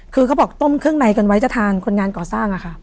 คือเขาบอกต้มเครื่องในกันไว้จะทานคนงานก่อสร้างอะค่ะ